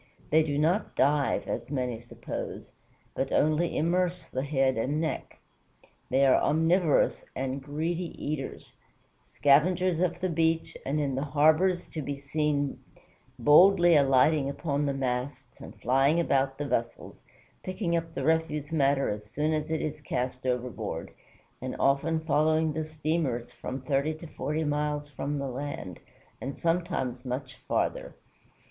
They do not dive, as many suppose, but only immerse the head and neck. They are omnivorous and greedy eaters; "scavengers of the beach, and in the harbors to be seen boldly alighting upon the masts and flying about the vessels, picking up the refuse matter as soon as it is cast overboard, and often following the steamers from thirty to forty miles from the land, and sometimes much farther."